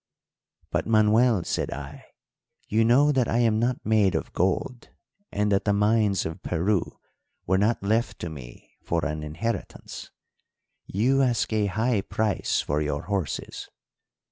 "'But, Manuel,' said I, 'you know that I am not made of gold, and that the mines of Peru were not left to me for an inheritance. You ask a high price for your horses.'